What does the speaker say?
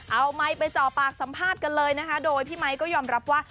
เอาไมค์ไปจ่อปากสัมภาษณ์กันเลยนะคะโดยพี่ไมค์ก็ยอมรับว่า